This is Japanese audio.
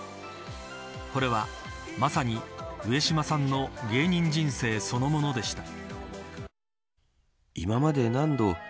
これは、まさに上島さんの芸人人生そのものでした。